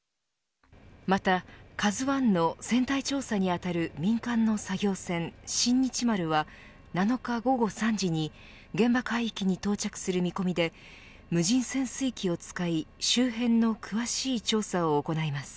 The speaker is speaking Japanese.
またＫＡＺＵ１の船体調査に当たる民間の作業船、新日丸は７日午後３時に現場海域に到着する見込みで無人潜水機を使い周辺の詳しい調査を行います。